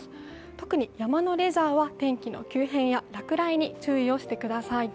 特に山のレジャーは天気の急変や落雷に注意をしてください。